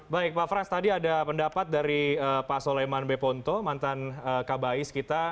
baik pak frans tadi ada pendapat dari pak soleman beponto mantan kabais kita